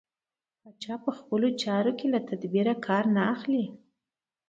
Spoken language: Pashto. پاچا په خپلو چارو کې له تدبېره کار نه اخلي.